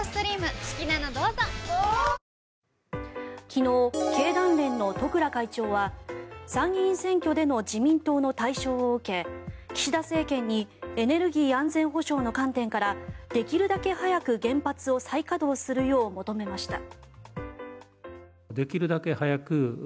昨日、経団連の十倉会長は参議院選挙での自民党の大勝を受け岸田政権にエネルギー安全保障の観点からできるだけ早く原発を再稼働するよう求めました。